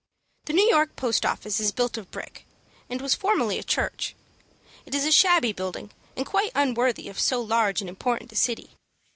The New York Post Office is built of brick, and was formerly a church. It is a shabby building, and quite unworthy of so large and important a city.